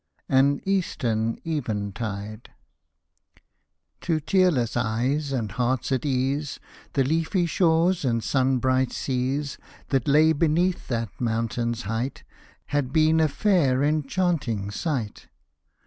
AN EASTERN EVENTIDE To tearless eyes and hearts at ease The leafy shores and sun bright seas, That lay beneath that mountain's height. Had been a fair enchanting sight.